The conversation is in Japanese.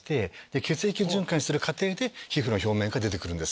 血液循環する過程で皮膚の表面から出て来るんです。